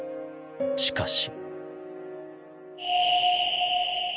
しかし。